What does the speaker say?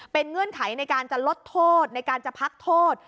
เป็นเงื่อนไขในการจะลดโทษในการจะพักโทษ